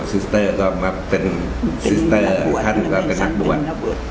ซิสเตอร์ก็เป็นซิสเตอร์ท่านก็เป็นนักบวช